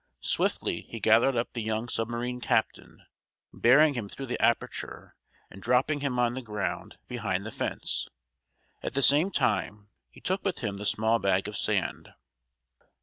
Swiftly he gathered up the young submarine captain, bearing him through the aperture and dropping him on the ground behind the fence. At the same time he took with him the small bag of sand.